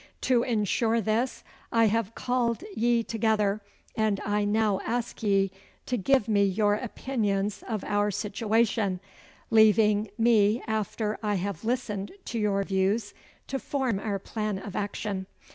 To insure this I have called ye together, and I now ask ye to give me your opinions of our situation, leaving me after I have listened to your views to form our plan of action.